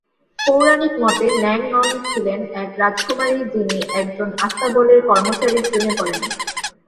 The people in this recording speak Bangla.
পৌরাণিক মতে ন্যাং নন ছিলেন এক রাজকুমারী, যিনি একজন আস্তাবলের কর্মচারীর প্রেমে পড়েন।